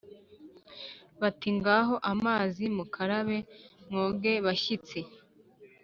bati: ‘ngaho amazi mukarabe, mwoge bashyitsi.’